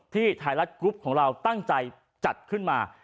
ไทยรัฐกรุ๊ปของเราตั้งใจจัดขึ้นมา